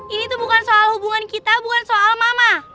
ini tuh bukan soal hubungan kita bukan soal mama